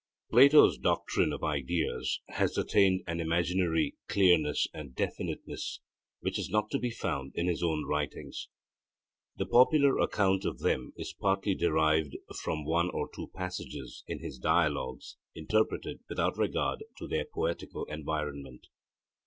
Plato's doctrine of ideas has attained an imaginary clearness and definiteness which is not to be found in his own writings. The popular account of them is partly derived from one or two passages in his Dialogues interpreted without regard to their poetical environment.